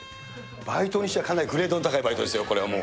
バイトにしてはかなりグレードの高いバイトですよ、これはもう。